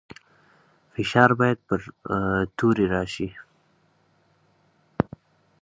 فشار باید پر توري راسي.